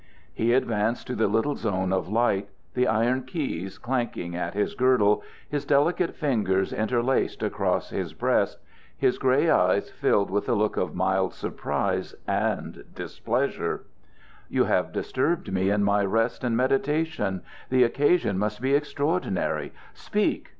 He advanced to the little zone of light, the iron keys clanking at his girdle, his delicate fingers interlaced across his breast, his gray eyes filled with a look of mild surprise and displeasure. "You have disturbed me in my rest and meditations. The occasion must be extraordinary. Speak!